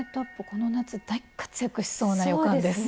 この夏大活躍しそうな予感です。